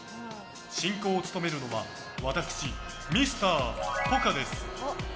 進行を務めるのは私、Ｍｒ．ポカです。